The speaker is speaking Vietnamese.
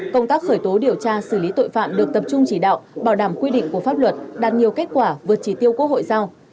công tác khởi tố điều tra xử lý tội phạm được tập trung chỉ đạo bảo đảm quy định của pháp luật đạt nhiều kết quả vượt chỉ tiêu quốc hội giao